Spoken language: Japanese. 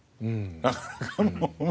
なかなかもう。